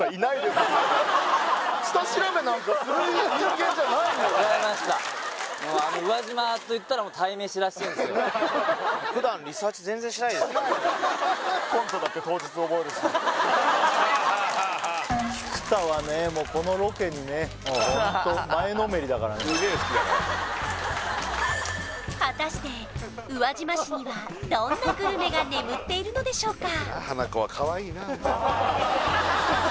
すげえ好きだから果たして宇和島市にはどんなグルメが眠っているのでしょうか？